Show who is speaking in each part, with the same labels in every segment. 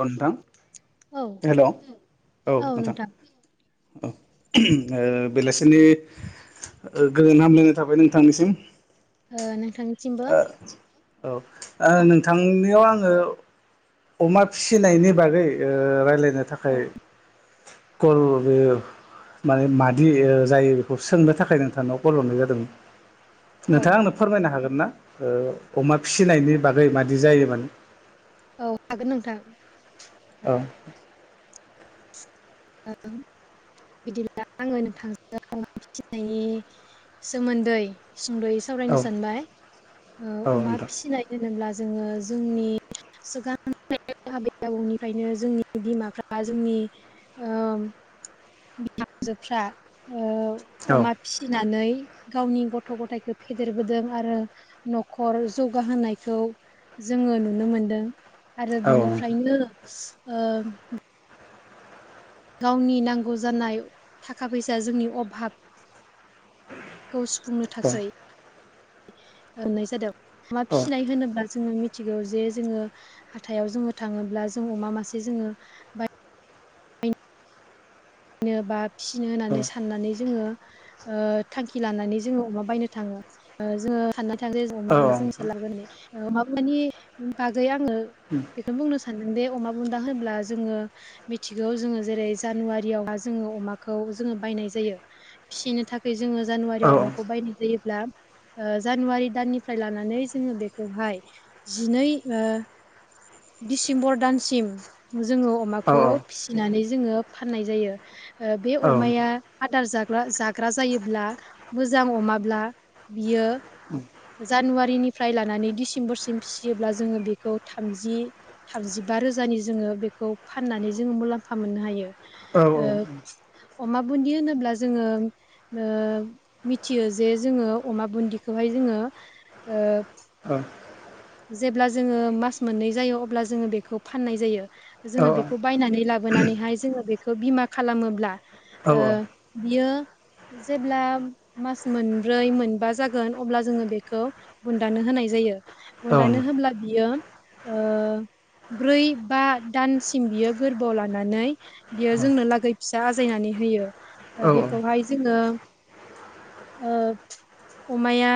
Speaker 1: हेल नोंथां
Speaker 2: औ
Speaker 1: हेलौ औ नोंथां औ ओ बेलासिनि गोजोन हामलायनाय थाबाय नोंथांनिसिम
Speaker 2: ओ नोंथां
Speaker 1: औ ओ नोंथांनियाव आङो अमा फिसिनायनि बागै ओ रायलायनो थाखाय
Speaker 2: औ
Speaker 1: कल बो माने मादि जायो बेखौ सोंनो थाखाय नोंथांनाव कल हरनाय जादोंमोन
Speaker 2: औ
Speaker 1: नोंथाङा आंनो फोरमायनो हागोन ना ओ अमा फिसिनायनि बागै मादि जायोमोन
Speaker 2: औ हागोन नोंथां
Speaker 1: औ [unintelligible]
Speaker 2: बिदिब्ला आङो नोंथां फिनायनि सोमोन्दै सुंदयै
Speaker 1: औ
Speaker 2: सावरायनो सानबाय
Speaker 1: औ
Speaker 2: ओ अमा
Speaker 1: नोंथां
Speaker 2: फिसिनाय होनोब्ला जोङो जोंनि सिगां आबै आबौनिफ्रायनो जोंनि बिमाफ्रा जोंनि ओ बिहजोफ्रा
Speaker 1: औ
Speaker 2: अमा फिसिनानै गावनि गथ गथायाइखौ फेदेरबोदों आरो नखर जौगाहोनायखौ जोङो नुनो मोनदों आरो
Speaker 1: औ
Speaker 2: बिनिफ्रायनो ओ गावनि नांगौ जानाय थाखा फैसा जोंनि अभाब खौ सुफुंनो
Speaker 1: औ
Speaker 2: थाखाय होनाय जादों अमा
Speaker 1: औ
Speaker 2: फिसिनाय होनोब्ला जोङो मिथिगौ जे जोङो हाथायाव जोङो थाङोब्ला जों अमा मासे जोङो बाय फिनो बा फिसिनो होननानै साननानै जोङो ओ थांखि लानानै जोङो अमा बायनो थाङो ओ जोङो सानना
Speaker 1: औ
Speaker 2: [inaudible] माबानि बागै आङो बेखौनो बुंनो सानो सानदों दे अमा बुन्दा होनब्ला जोङो मिथिगौ जेरै जानुवारि याव जोङो अमाखौ जोङो बायनाय जायो फिनो थाखाय जोङो
Speaker 1: औ
Speaker 2: जानुवारियाव अमाखौ बायनाय जायोब्ला ओ जानुवारि दाननिफ्राय लानानै जोङो बेखौहाय जिनै ओ दिडिसेम्बर दानसिम जोङो अमाखौ
Speaker 1: औ
Speaker 2: फिसिनानै जोङो फाननाय जायो बे
Speaker 1: औ नोंथां औ
Speaker 2: अमाया आदार जाग- ब्ला जाग्रा जायोब्ला मोजां अमाब्ला बियो जानुवारिनिफ्राय लानानै डसेम्बरसिम फिसियोब्ला जोङो बेखौ थामजि थामजि बा रोजानि जोङो बेखौ फाननानै जोङो मुलाम्फा मोननो हायो। ओ- अमा बुन्दि होनोब्ला जोङो ओ मिथियो जे जोङो अमा बुन्दिखौहाय जोङो ओ जेब्ला जोङो मास मोननै जायो अब्ला जोङो बेखौ फाननाय जायो जोङो बेखौ बायनानै लाबो लाबोनानैहाय जोङो बेखौ बिमा खालामोब्ला ओ बियो जेब्ला मास मोनब्रै मोनबा जागोन अब्ला जोङो बेखौ बुन्दानो होनाय जायो। बुन्दनो होब्ला बियो ओ ब्रै बा दानसिम बियो गोरबोआव लानानै बियो जोंनो लागै फिसा आजायनानै होयो बेखौहाय जोङो
Speaker 1: [inaudible]
Speaker 2: ओ अमाया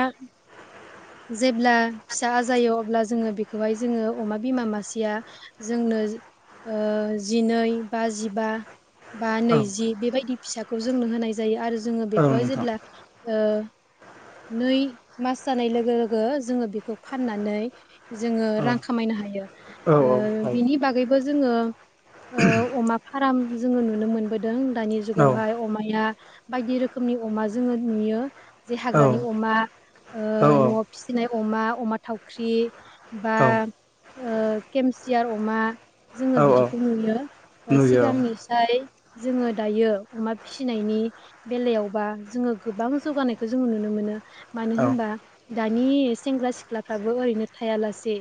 Speaker 2: जेब्ला फिसा आजायो अब्ला जोङो बेखौहाय जोङो अमा बिमा मासेया जोंनो ओ जिनै बा जिबा बा नैजि बेबायदि फिसाखौ जोंनो होनाय जायो आरो जोङो बे खौ जेब्ला ओ नै मास जानाय लोग गो लोगो जोङो बेखौ फाननानै जोङो रां खामायनो हायो। ओ बिनि बाग बागैबो जोङो ओ अमा फार्म जोङो नुनो मोनबोदों। दानि जुगावहाय अमाया बायदि रोखोमनि नि अमा जोङो नुयो जे हाग्रानि अमा ओ
Speaker 1: औ औ
Speaker 2: न'आव फिसिनाय अमा अमा थावख्रि बा
Speaker 1: औ
Speaker 2: ओ केमसियार अमा
Speaker 1: औ
Speaker 2: जोङो
Speaker 1: औ
Speaker 2: बिदिखौ नुयो।
Speaker 1: नुयो
Speaker 2: सिगांनिसाय जोङो दायो अमा फिसिनायनि बेलायावबा जोङो गोबां जौगानायखौ जोङो नुनो मोनो। मानो
Speaker 1: औ औ
Speaker 2: होनबा दानि सेंग्रा सिख्लाफ्राबो ओरैनो थायालासे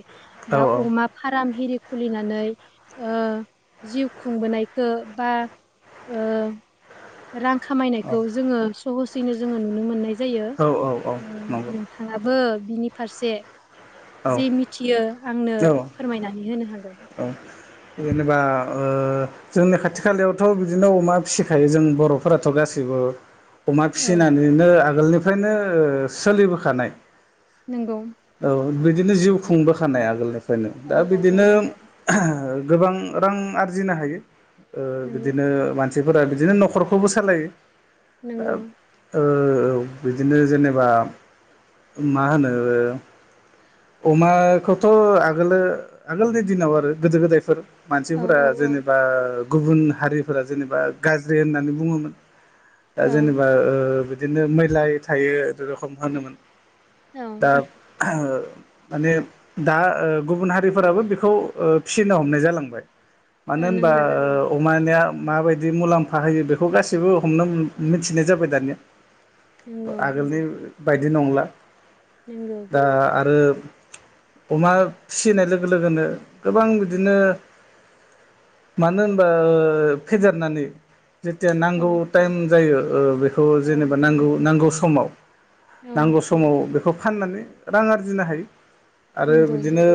Speaker 1: औ
Speaker 2: बा अमा फार्म एरि खुलिना नै ओ जिउ खुंबोनायखौ बा ओ रां
Speaker 1: औ
Speaker 2: खामायनायखौ जोङो सहसैनो जोङो नुनो मोननाय जायो।
Speaker 1: औ औ
Speaker 2: ओ
Speaker 1: नंगौ
Speaker 2: थाङाबो बिनि फारसे
Speaker 1: औ
Speaker 2: जे मिथियो आंनो फोरमायना नानै होनो हागोन
Speaker 1: औ जेनेबा ओ जोंनि खाथि खालायावथ' बिदिनो अमा फिसिखायो जों बर'फोराथ' गासैबो अमा
Speaker 2: औ
Speaker 1: फिसिनानैनो आगोलनिफ्रायनो सोलिबोखानाय
Speaker 2: नोंगौ
Speaker 1: औ बिदिनो जिउ खुंबोखानाय आगोलनिफ्रायनो।
Speaker 2: औ
Speaker 1: दा
Speaker 2: औ औ
Speaker 1: बिदिनो
Speaker 2: नंगौ
Speaker 1: गोबां रां आरजिनो हायो। ओ बिदिनो मान सिफोरा बिदिनो न'खरखौबो सालायो। ओ औ बिदिनो जेनेबा मा होनो अमाखौथ' आगोलो आगोलनि दिनाव आरो गोदो गोदाय
Speaker 2: नंगौ औ औ
Speaker 1: मानसिफोरा जेनेबा गुबुन हारिफोरा जेनेबा गाज्रि होननानै बुङोमोन। दा
Speaker 2: औ
Speaker 1: जेनेबा ओ बिदिनो मैलायै थायो ए रखम होनोमोन।
Speaker 2: ओ
Speaker 1: दा माने दा ओ गुबुन हारिफोराबो बेखौ ओ फिसि नो हमनाय जालांबाय। मानो होनबा
Speaker 2: नंगौ
Speaker 1: ओ अ मानिया माबायदि मुलाम्फा होयो बेखौ गासैबो हमनो मिथिनाय जाबाय दानिया।
Speaker 2: नंगौ
Speaker 1: आगोलनि बायदि नंला।
Speaker 2: नंगौ
Speaker 1: दा आरो अमा फिसिनाय लोगो लोगोनो गोबां बिदिनो मानो होनबा ओ फेदेरनानै जेथिया
Speaker 2: औ
Speaker 1: नांगौ टाइम जायो ओ बेखौ
Speaker 2: औ
Speaker 1: जेनेबा नांगौ नांगौ समाव
Speaker 2: औ
Speaker 1: नांगौ समाव बेखौ फाननानै रां आरजिनो हायो। आरो
Speaker 2: नंगौ
Speaker 1: बिदिनो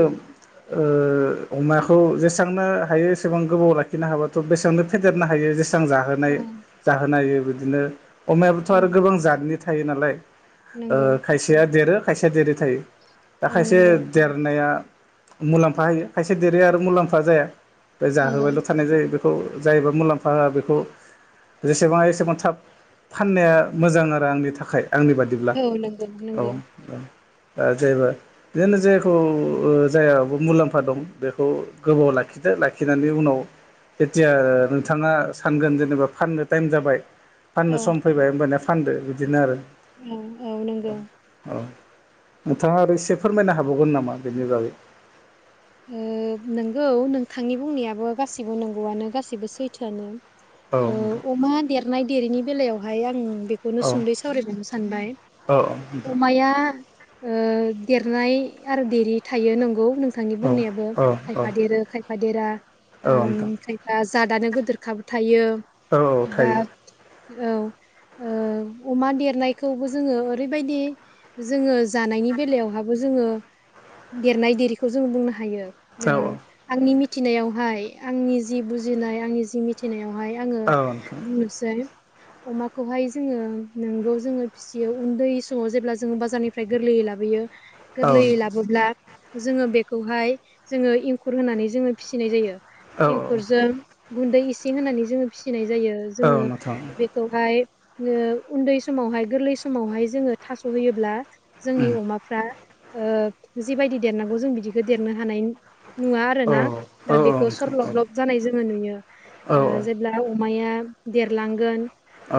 Speaker 1: ओ अमाखौ जेसेनो हायो एसेबां गोबाव लाखिनो हाबाथ' बेसेबांनो फेदेरनो हायो जे सां
Speaker 2: औ
Speaker 1: जाहोनाय जाहोनायो बिदिनो अमायाबोथ'
Speaker 2: औ
Speaker 1: आरो गोबां जातनि थायो नालाय
Speaker 2: नंगौ
Speaker 1: ओ खायसेया देरो खायसेया देरि थायो दा
Speaker 2: औ
Speaker 1: खायसे
Speaker 2: नंगौ
Speaker 1: देरनाया मुलाम्फा होयो खायसे देरो आरो मुलाम्फा जाया बे
Speaker 2: नंगौ
Speaker 1: जाहोबायल' थानाय जायो बे खौ जायबा मुलाम्फा होआ बेखौ जेसेबां एसेबां थाब फाननाया मोजां आरो आंनि थाखाय आंनि बादिब्ला
Speaker 2: औ नंगौ
Speaker 1: औ
Speaker 2: नंगौ
Speaker 1: औ जायबो बिदिनो जायखौ जायो मुलाम्फा दं बेखौ गोबाव लाखिदो लाखिनानै उनाव जेथिया नोंथाङा सानगोन जेनेबा फाननो टाइम जाबाय
Speaker 2: औ
Speaker 1: फाननो सम फैबाय होनबाना फानदो बिदिनो आरो
Speaker 2: औ औ नंगौ
Speaker 1: औ नोंथाङा आरो एसे फोरमायनो हाबावगोन नामा बेनि बागै
Speaker 2: ओ नोंगौ नोंथांनि बुंनायाबो गासिबो नंगौआनो गासिबो सैथोआनो
Speaker 1: औ
Speaker 2: ओ
Speaker 1: नोंथां
Speaker 2: अमा देरनाय देरैनि बेलायावहाय आं बेखौनो
Speaker 1: औ
Speaker 2: सुंदै सावरायलांनो सानबाय
Speaker 1: औ
Speaker 2: अमाया ओ देरनाय आरो देरि थायो नंगौ नोंथांनि
Speaker 1: औ
Speaker 2: बुंनायाबो खायफा
Speaker 1: औ
Speaker 2: देरो खायफा देरा
Speaker 1: औ नोंथां
Speaker 2: खायफा जादानो गोदोरखाबो थायो
Speaker 1: औ
Speaker 2: बा
Speaker 1: थायो
Speaker 2: औ ओ अमा देरनायखौबो जोङो ओरैबायदि जोङो जानायनि बेलायावहाबो जोङो देरनाय देरिखौ जों बुंनो हायो
Speaker 1: औ औ
Speaker 2: आंनि मिथिनायावहाय आंनि जि बुजिनाय आंनि जि मिथिनायावहाय आङो
Speaker 1: औ नोंथां
Speaker 2: बुंनोसै अमाखौहाय जोङो नोंगौ जोङो फिसियो उन्दै समाव जेब्ला जोङो बाजारनिफ्राय गोरलै लाबोयो
Speaker 1: औ
Speaker 2: गोरलैयै लाबोब्ला जोङो बेखौहाय जोङो एंखुर होनानै जोङो फिसिनाय जायो एंखुरजों गुन्दै इसे होनानै जोङो फिसिनाय जायो जोङो
Speaker 1: नोंथां
Speaker 2: बेखौहाय ओ उन्दै समावहाय गोरलै समावहाय जोङो थास' होयोब्ला जोंनि अमाफ्रा जिेबायदि देरनांगौ जों बिदिखौ देरनो हानाय नुवा आरो
Speaker 1: औ
Speaker 2: ना
Speaker 1: औ नोंथां औ
Speaker 2: बेखौ
Speaker 1: नोंथां
Speaker 2: सरलब
Speaker 1: औ
Speaker 2: लब जानाय जोङो नुयो
Speaker 1: औ
Speaker 2: ओ जेब्ला अमाया देरलांगोन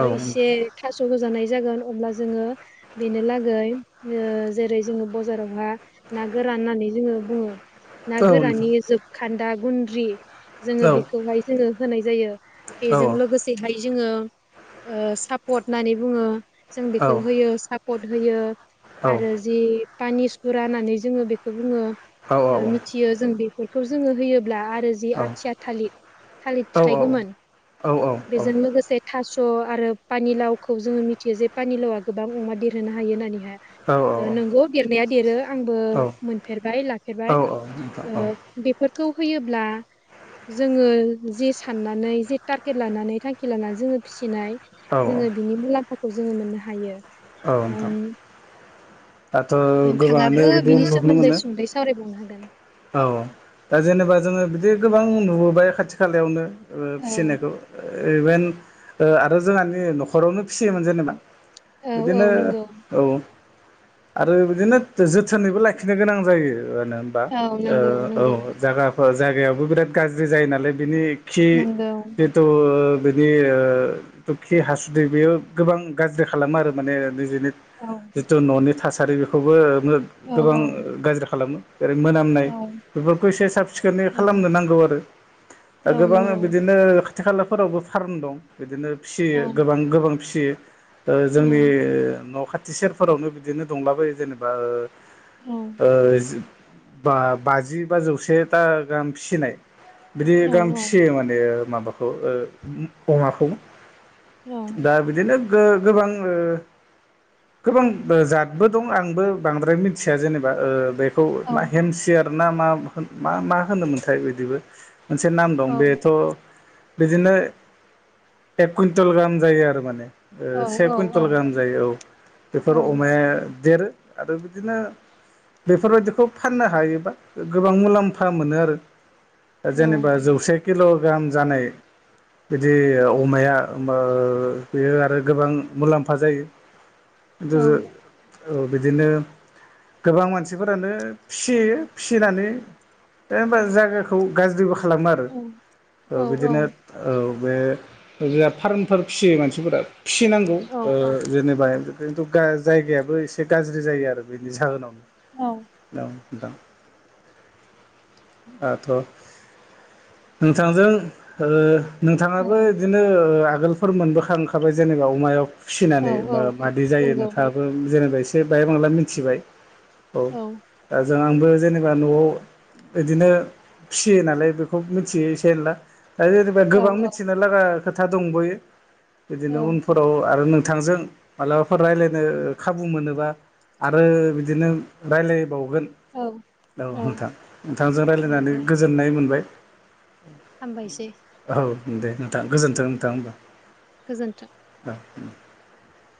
Speaker 2: ओ
Speaker 1: औ
Speaker 2: इसे थास होजानाय जागोन अब्ला जोङो बेनो लागै ओ जेरै जों बाजाराव हा ना ना गोरान होननानै जोङो बुङो ना
Speaker 1: औ
Speaker 2: गोरानि
Speaker 1: नोंथां
Speaker 2: जोबखान्दा गुन्द्रि जोङो
Speaker 1: औ
Speaker 2: बेखौहाय जोङो होनाय जायो
Speaker 1: औ
Speaker 2: बेजों लोगोसेहाय जोङो सापर्ट होननानै बुङो जों
Speaker 1: औ
Speaker 2: बेखौ होयो सापर्ट होयो
Speaker 1: औ
Speaker 2: आरो जि पानि सुखुरा होननानै जोङो बेखौ बुङो
Speaker 1: औ
Speaker 2: मिथियो जों बे बेखौ जोङो होयो ब्ला आरो जि आथिया
Speaker 1: औ
Speaker 2: थालिर गोमोन
Speaker 1: औ नोंथां
Speaker 2: बेजों लोगोसे थासु स' आरो पानिलावखौ जोङो मिथियो जे पानिलावा गोबां अमा देरहोनो हायो होननानैहाय नंगौ देरनाया देरो आंबो मोनफेरबाय लाफेरबाय ओ बेफोरखौ होयोब्ला जोङो जे साननानै जे टारगेट लानानै थांखि लानानै जोङो फिसिनाय
Speaker 1: औ
Speaker 2: जोङो बिनि मुलाम्फाखौ जोङो मोननो हायो
Speaker 1: औ नोंथां
Speaker 2: ओम
Speaker 1: दाथ' गोबाङानो
Speaker 2: नोंथाङाबो
Speaker 1: बिदि
Speaker 2: बिनि
Speaker 1: नुनो
Speaker 2: सोमोन्दै
Speaker 1: मोन
Speaker 2: सुंदै सावरायबावनो हागोन
Speaker 1: औ दा जेनेबा जोङो बिदिनो गोबां नुबोबाय खाथि खालायावनो ओ
Speaker 2: औ
Speaker 1: फिसिनायखौ इभेन आरो जोंहानि न'खरावनो फिसियोमोन जेनेबा
Speaker 2: औ औ
Speaker 1: बिदिनो
Speaker 2: नंगौ
Speaker 1: औ आरो बिदिनो जोथोनैबो लाखिनो गोनां जायो मानो होमबा
Speaker 2: औ
Speaker 1: ओ
Speaker 2: नंगौ
Speaker 1: औ
Speaker 2: नंगौ
Speaker 1: जागाफोर जागायावबो बिराद गाज्रि जायो नालाय बिनि खि
Speaker 2: नंगौ
Speaker 1: जिहेथु बिनि ओ खि हासुदै बेयो गोबां गाज्रि खालामो आरो माने निजिनि
Speaker 2: औ
Speaker 1: जिथु न'नि थासारि बेखौबो
Speaker 2: औ
Speaker 1: गोबां
Speaker 2: औ
Speaker 1: गाज्रि खालामो जरै मोनामनाय
Speaker 2: औ
Speaker 1: बेफोरखौ एसे साब सिखोनै
Speaker 2: औ
Speaker 1: खालामनो नांगौ आरो
Speaker 2: औ
Speaker 1: गोबां
Speaker 2: नंगौ
Speaker 1: बिदिनो खाथि खालाफोरावबो फार्म दं बिदिनो फिसियो
Speaker 2: औ
Speaker 1: गोबां गोबां फिसियो ओ
Speaker 2: औ
Speaker 1: जोंनि न' खाथि सेरफोरावनो बिदिनो दंलाबायो जेनेबा ओ
Speaker 2: औ
Speaker 1: ओ जि बा बाजि बा जौसेता गाहाम फिसिनाय बिदि
Speaker 2: औ
Speaker 1: गाहाम
Speaker 2: औ
Speaker 1: फिसियो माने माबाखौ ओ अमाखौ दा बिदिनो गो गो गोबां ओ गोबां जादबो दं आंबो बांद्राय मिथिया जेनेबा बेखौ
Speaker 2: औ
Speaker 1: मा हेमसियार ना मा मा होनोमोनथाय बिदिबो मोनसे नाम
Speaker 2: औ
Speaker 1: दं बेथ बिदिनो एक कुइन्टल गाहाम जायो आरो माने।
Speaker 2: औ
Speaker 1: से
Speaker 2: औ औ
Speaker 1: कुइन्टल गाहाम जायो औ
Speaker 2: औ
Speaker 1: बेफोर अमाया देरो आरो बिदिनो बेफोरबायदिखौ फाननो हायोबा गोबां मुलाम्फा मोनो आरो। दा जेनेबा जौसे किल ग्राम जानाय बिदि अमाया मो बेयो आरो गोबां मुलाम्फा जायो। औ बिदिनो गोबां मानसिफोरानो फिसियो फिसिनानै बे ओमबा जायगाखौ गाज्रिबो खालामो आरो औ बिदिनो औ बे जा फार्मफोर फिसियो मानसिफोरा फिसिनांगौ
Speaker 2: औ
Speaker 1: जेनेबा ओ जेनेबा खिन्थु गाय जायगायाबो एसे गाज्रि जायो आरो बेनि जाहोनावनो।
Speaker 2: औ
Speaker 1: दा आथ नोंथांजों ओ नोंथाङाबो बिदिनो ओ आगोलफोर मोनबोखां खाबाय जेनेबा अमायाव फिसिनानै बा मादि जायो
Speaker 2: नंगौ
Speaker 1: नोंथाङाबो जेनेबा एसे बाहाय बांला मिथिबाय औ दा जों आंबो जेनेबा नआव बिदिनो फिसियो नालाय बेखौ मिथियो एसे एनला दा जेनेबा
Speaker 2: औ
Speaker 1: गोबां
Speaker 2: औ
Speaker 1: मिथिनो लागा खोथा दंबयो बिदिनो उनफोराव आरो नों थांजों मालाबाफोर रायलायनो खाबु मोनोबा आरो बिदिनो रायलायबाव गोन औ नोंथां नोंथांजों
Speaker 2: दे
Speaker 1: रायलायनानै
Speaker 2: दे
Speaker 1: गोजोननाय मोनबाय।
Speaker 2: हामबायसै
Speaker 1: औ दे नोंथां गोजोनथों नोंथां होमबा।
Speaker 2: गोजोन्थों
Speaker 1: [inaudible]